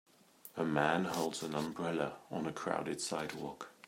A man holds an umbrella on a crowded sidewalk.